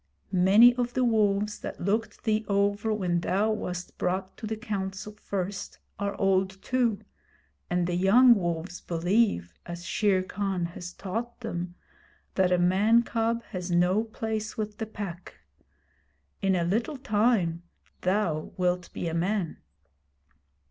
Many of the wolves that looked thee over when thou wast brought to the Council first are old too, and the young wolves believe, as Shere Khan has taught them, that a man cub has no place with the Pack. In a little time thou wilt be a man.'